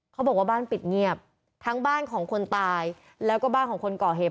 เขาบอกว่าบ้านปิดเงียบทั้งบ้านของคนตายแล้วก็บ้านของคนก่อเหตุ